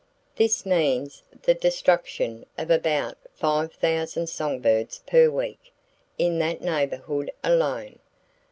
This means the destruction of about 5,000 songbirds per week in that neighborhood alone!